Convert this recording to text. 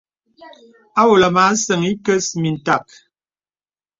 À wolɔ̀ mə à səŋ ìkə̀s mìntàk.